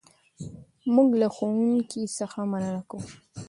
موږ له ښوونکي څخه مننه کوو.